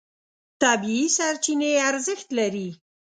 طبیعي سرچینې ارزښت لري.